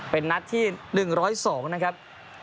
เป็นนัดที่๑๐๒นะครับ